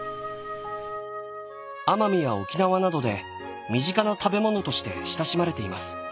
奄美や沖縄などで身近な食べものとして親しまれています。